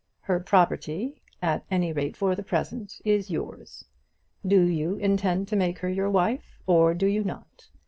Her property, at any rate for the present, is yours. Do you intend to make her your wife, or do you not?